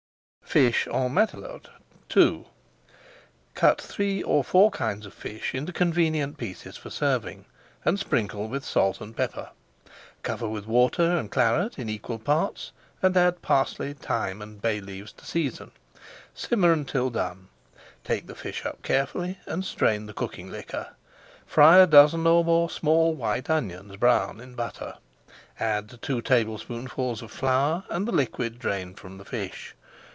FISH EN MATELOTE II Cut three or four kinds of fish into convenient pieces for serving, and sprinkle with salt and pepper. Cover with water and Claret in equal parts, and add parsley, thyme, and bay leaves to season. Simmer until done. Take the fish up carefully and strain the [Page 473] cooking liquor. Fry a dozen or more small white onions brown in butter. Add two tablespoonfuls of flour and the liquid drained from the fish.